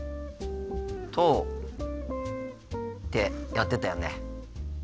とってやってたよね。